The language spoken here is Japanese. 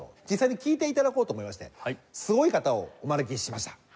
実際に聴いて頂こうと思いましてすごい方をお招きしました。